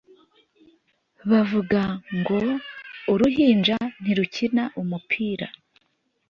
Bavuga ngo uruhinja ntirukina umupira